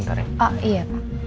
ntar sebentar ya